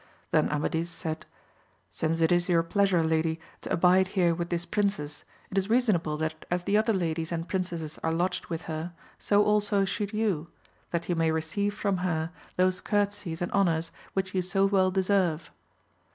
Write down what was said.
Then Amadis said Since it is your pleasure, lady, to abide here with this princess, it is reasonable that as the other ladies and princesses are lodged with her, so also should youj that you may receive from her those courtesies and honours which you so well deserve.